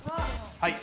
はい。